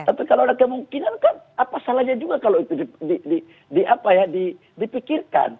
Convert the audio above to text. tapi kalau ada kemungkinan kan apa salahnya juga kalau itu dipikirkan